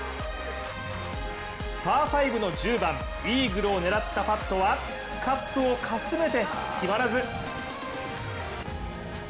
パー５の１０番、イーグルを狙ったパットはカップをかすめて、決まらず。